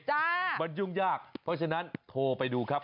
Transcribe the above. มันยุ่งยากเพราะฉะนั้นโทรไปดูครับ